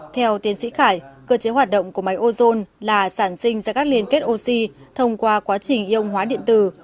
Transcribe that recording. theo tiến sĩ khải cơ chế hoạt động của máy ozone là sản sinh ra các liên kết oxy thông qua quá trình yong hóa điện tử